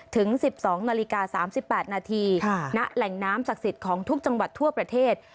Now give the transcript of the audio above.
ถึงสิบสองนาฬิกาสามสิบแปดนาทีค่ะณแหล่งน้ำศักดิ์สิตของทุกจังหวัดทั่วประเทศ